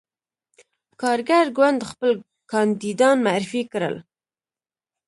کارګر ګوند خپل کاندیدان معرفي کړل.